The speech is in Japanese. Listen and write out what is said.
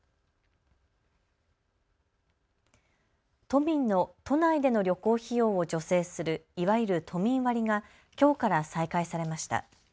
都民の都内での旅行費用を助成するいわゆる都民割がきょうから再開されました。